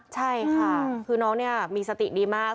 ใช่ค่ะคือน้องเนี่ยมีสติดีมาก